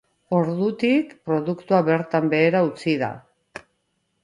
Ordutik, produktua, bertan behera utzi da.